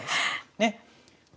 ねっ。